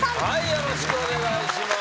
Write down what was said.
よろしくお願いします。